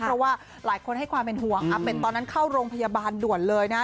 เพราะว่าหลายคนให้ความเป็นห่วงอาเป็ดตอนนั้นเข้าโรงพยาบาลด่วนเลยนะ